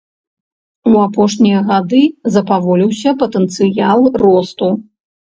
У апошнія гады запаволіўся патэнцыял росту.